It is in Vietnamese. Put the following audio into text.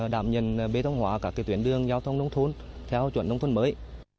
đảm nhận bế tống hóa các tuyển đường giao thông nông thôn theo chuẩn nông thôn mới